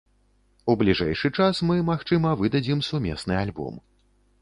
У бліжэйшы час мы, магчыма, выдадзім сумесны альбом.